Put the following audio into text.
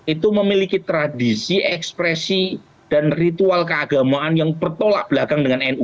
itu memiliki tradisi ekspresi dan ritual keagamaan yang bertolak belakang dengan nu